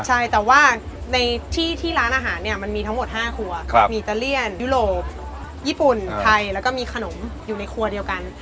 ใช่แต่ว่าในที่ที่ร้านอาหารเนี่ยมันมีทั้งหมด๕ครัวมีอิตาเลียนยุโรปญี่ปุ่นไทยแล้วก็มีขนมอยู่ในครัวเดียวกัน